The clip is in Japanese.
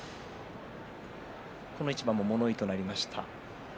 この一番も物言いとなりました。